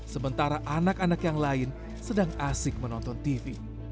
sementara anak anak yang lain sedang asik menonton tv